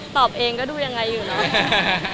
ตอบเองก็ดูยังไงอยู่เนาะ